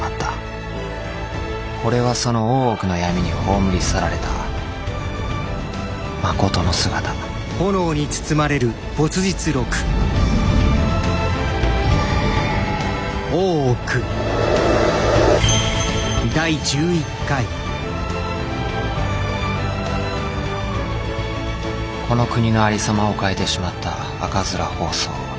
これはその大奥の闇に葬り去られたまことの姿この国のありさまを変えてしまった赤面疱瘡。